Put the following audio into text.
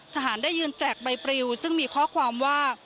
ทหารได้ยืนแจกใบปริวซึ่งมีข้อความว่า